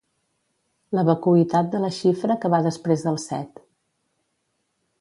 La vacuïtat de la xifra que va després del set.